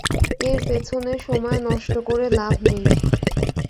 এর পেছনে সময় নষ্ট করে লাভ নেই।